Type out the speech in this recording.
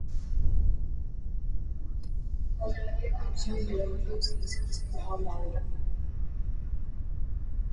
He saw limited action during two seasons in Orlando.